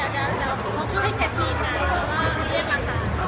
วันนี้ก็เป็นปีนี้